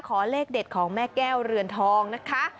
เลขเด็ดของแม่แก้วเรือนทองนะคะ